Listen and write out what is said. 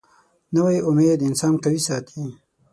نوې امید انسان قوي ساتي